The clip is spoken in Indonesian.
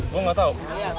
gue gak tau